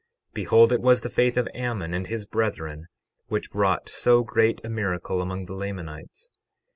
12:15 Behold, it was the faith of Ammon and his brethren which wrought so great a miracle among the Lamanites.